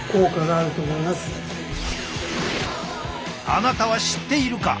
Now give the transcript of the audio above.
あなたは知っているか？